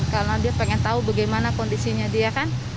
karena dia pengen tahu bagaimana kondisinya dia kan